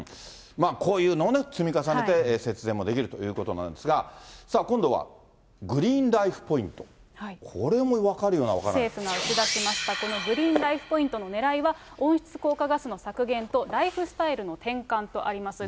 こういうのをね、積み重ねて節電もできるということなんですが、さあ、今度はグリーンライフ・ポイント、これも分かるような政府が打ち出しました、このグリーンライフ・ポイントのねらいは、温室効果ガスの削減とライフスタイルの転換とあります。